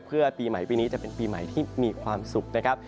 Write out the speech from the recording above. เพื่อปีใหม่ปีนี้จะเป็นปีใหม่ที่มีความสุขนะครับ